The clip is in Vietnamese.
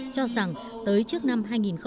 cho rằng tới trước năm hai nghìn hai mươi